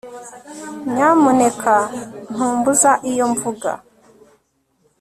Nyamuneka ntumbuza iyo mvuga